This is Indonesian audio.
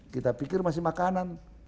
kita pikir masih makanan